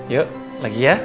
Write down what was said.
yuk lagi ya